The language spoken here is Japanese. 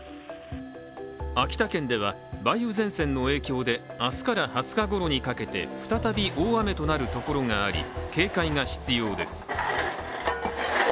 秋田県では、梅雨前線の影響で明日から２０日ごろにかけて、再び大雨となるところがあり警戒が必要です。